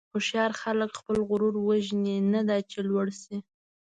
هوښیار خلک خپل غرور وژني، نه دا چې لوړ شي.